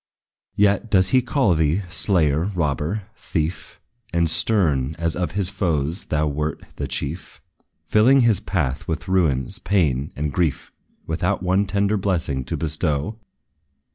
Yet does he call thee, slayer, robber, thief, And stern, as of his foes thou wert the chief, Filling his path with ruins, pain and grief, Without one tender blessing to bestow!